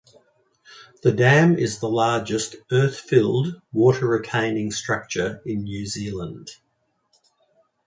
The dam is the largest earth-filled water-retaining structure in New Zealand.